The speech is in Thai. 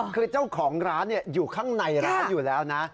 คือเจ้าของร้านอยู่ข้างในร้านอยู่แล้วนะ